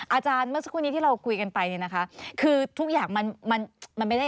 อาจารย์ก็เป็นคนหนึ่งที่